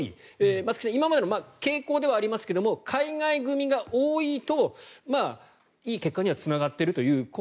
松木さん、今までの傾向ではありますが海外組が多いといい結果にはつながっているという。